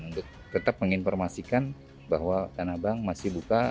untuk tetap menginformasikan bahwa tanah abang masih buka